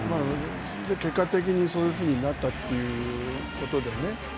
結果的にそういうふうになったということでね。